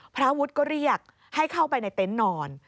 พระวุฒิก็เรียกให้เข้าไปในเต็นต์นอน